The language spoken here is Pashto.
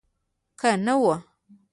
که نه وه.